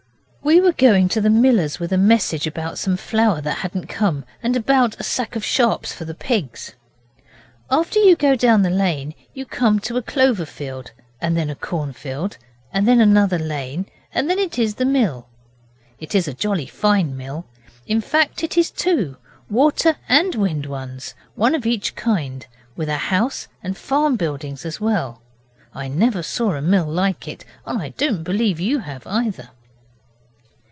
We were going to the miller's with a message about some flour that hadn't come, and about a sack of sharps for the pigs. After you go down the lane you come to a clover field, and then a cornfield, and then another lane, and then it is the mill. It is a jolly fine mill: in fact it is two water and wind ones one of each kind with a house and farm buildings as well. I never saw a mill like it, and I don't believe you have either.